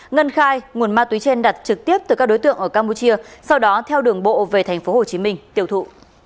ngân khai nguồn ma túy trên đặt trực tiếp từ các đối tượng ở campuchia sau đó theo đường bộ về tp hcm tiêu thụ